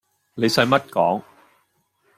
你洗乜講